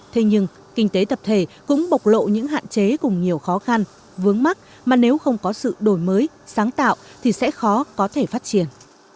thế nhưng kinh tế tập thể cũng bộc lộ những hạn chế cùng nhiều khó khăn vướng mắt mà nếu không có sự đổi mới sáng tạo thì sẽ khó có thể phát triển